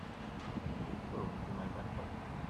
My phone is in my back pocket.